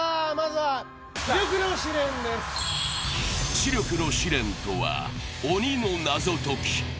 知力の試練とは鬼の謎解き。